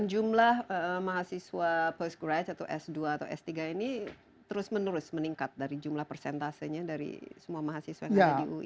jumlah mahasiswa post grade atau s dua atau s tiga ini terus menerus meningkat dari jumlah persentasenya dari semua mahasiswa yang ada di ui